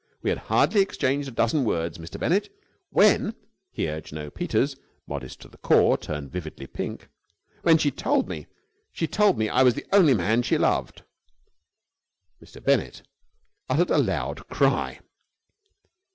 We had hardly exchanged a dozen words, Mr. Bennett, when " here Jno. Peters, modest to the core, turned vividly pink, "when she told me she told me that I was the only man she loved!" Mr. Bennett uttered a loud cry.